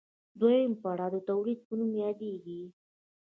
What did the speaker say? دویم پړاو د تولید په نوم یادېږي